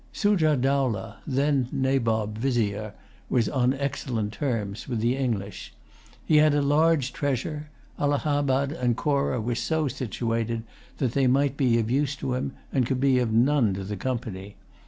Sujah Dowlah, then Nabob Vizier, was on excellent terms with the English.[Pg 138] He had a large treasure. Allahabad and Corah were so situated that they might be of use to him and could be of none to the Company.